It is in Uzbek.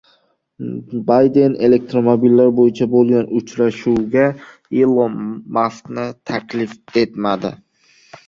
Bayden elektromobillar bo‘yicha bo‘lgan uchrashuvga Ilon Maskni taklif etmadi